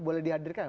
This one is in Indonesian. boleh dihadirkan ya